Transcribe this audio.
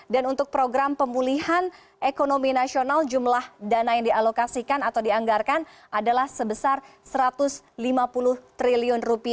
dan untuk program pemulihan ekonomi nasional jumlah dana yang dialokasikan atau dianggarkan adalah sebesar rp satu ratus lima puluh triliun